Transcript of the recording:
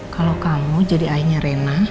kalau kamu jadi ayahnya rena